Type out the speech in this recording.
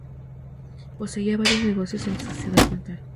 Poseía varios negocios en su ciudad natal.